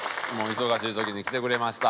忙しい時に来てくれました。